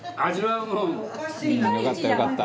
「よかったよかった。